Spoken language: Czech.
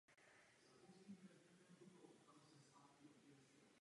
Přesídlení dvora do tohoto města bylo součástí velké politické a náboženské reformy.